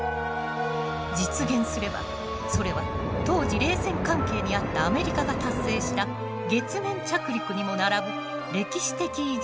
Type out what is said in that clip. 実現すればそれは当時冷戦関係にあったアメリカが達成した月面着陸にも並ぶ歴史的偉業。